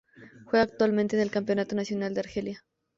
Juega actualmente en el Campeonato Nacional de Argelia.